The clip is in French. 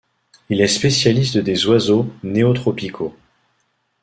Il est spécialiste des oiseaux néotropicaux.